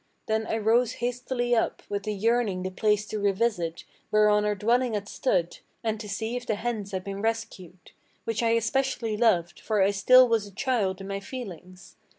Then I rose hastily up, with a yearning the place to revisit Whereon our dwelling had stood, and to see if the hens had been rescued, Which I especially loved, for I still was a child in my feelings.